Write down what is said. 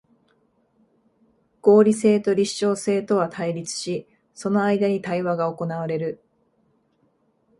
合理性と実証性とは対立し、その間に対話が行われる。